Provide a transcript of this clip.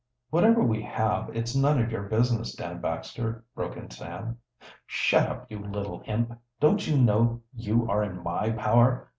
"Whatever we have, it's none of your business, Dan Baxter," broke in Sam. "Shut up, you little imp! Don't you know you are in my power!"